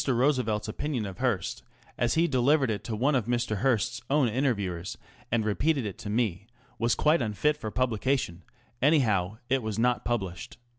Roosevelt's opinion of Mr. Hearst, as he delivered it to one of Mr. Hearst's own interviewers, and repeated it to me, was quite unfit for publication ŌĆö anyhow, it was not published.